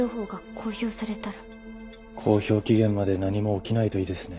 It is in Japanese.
公表期限まで何も起きないといいですね。